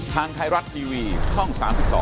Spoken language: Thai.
ทางไทยรัฐทีวีช่อง๓๒